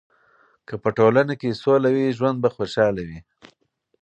که په ټولنه کې سوله وي، ژوند به خوشحاله وي.